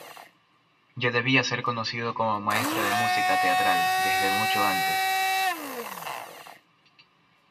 Ya debía ser conocido como maestro de música teatral desde mucho antes.